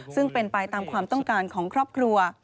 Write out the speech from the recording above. ซึ่งเป็นไปตามความต้องการของครอบครัว